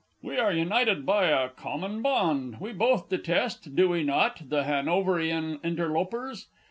We are united by a common bond. We both detest do we not? the Hanoverian interlopers.